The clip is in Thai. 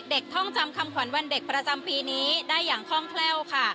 ท่องจำคำขวัญวันเด็กประจำปีนี้ได้อย่างคล่องแคล่วค่ะ